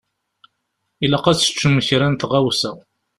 Ilaq ad teččem kra n tɣawsa.